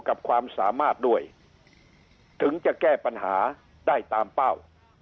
กับความสามารถด้วยถึงจะแก้ปัญหาได้ตามเป้า